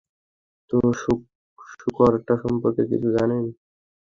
তো শূকরটা সম্পর্কে কিছু জানেন?